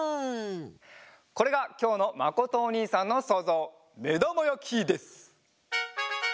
これがきょうのまことおにいさんのそうぞう「めだまやき」です！